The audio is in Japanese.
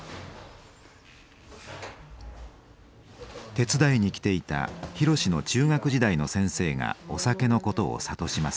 手伝いに来ていた博の中学時代の先生がお酒のことを諭します。